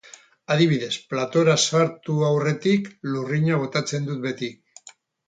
Adibidez, platora sartu aurretik lurrina botatzen dut beti.